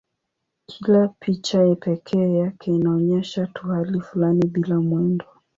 Kila picha pekee yake inaonyesha tu hali fulani bila mwendo.